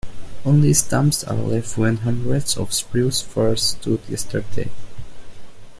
Only stumps are left where hundreds of spruce firs stood yesterday.